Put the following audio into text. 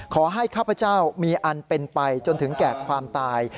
ข้าพเจ้ามีอันเป็นไปจนถึงแก่ความตาย